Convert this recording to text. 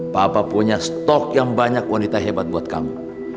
papa punya stok yang banyak wanita hebat buat kamu